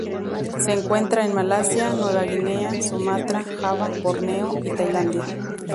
Se encuentra en Malasia, Nueva Guinea, Sumatra, Java, Borneo y Tailandia.